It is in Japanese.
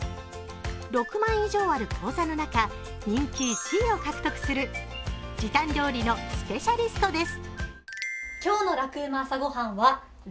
６万以上ある講座の中、人気１位を獲得する時短料理のスペシャリストです。